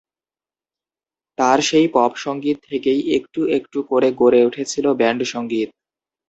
তার সেই পপ সংগীত থেকেই একটু একটু করে গড়ে উঠেছিল ব্যান্ড সংগীত।